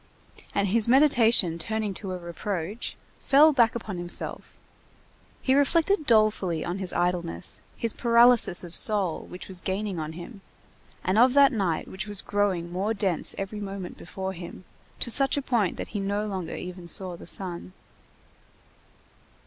And his meditation turning to a reproach, fell back upon himself; he reflected dolefully on his idleness, his paralysis of soul, which was gaining on him, and of that night which was growing more dense every moment before him, to such a point that he no longer even saw the sun.